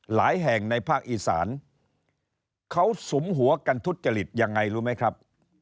หลายแห่งในภาคอีสานเขาสุมหัวกันทุจริตยังไงรู้ไหมครับ